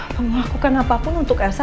mau melakukan apapun untuk elsa